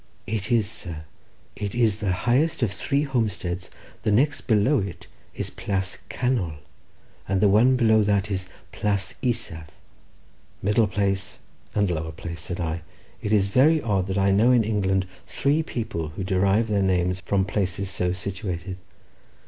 "It is, sir; it is the highest of three homesteads; the next below it is Plas Canol—and the one below that Plas Isaf." "Middle place and lower place," said I. "It is very odd that I know in England three people who derive their names from places so situated.